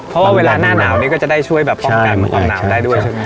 เพราะว่าเวลาหน้าหนาวนี้ก็จะได้ช่วยแบบป้องกันความหนาวได้ด้วยใช่ไหม